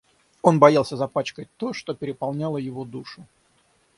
Он боялся запачкать то, что переполняло его душу.